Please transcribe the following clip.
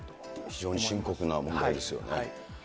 非常に深刻な問題ですよね。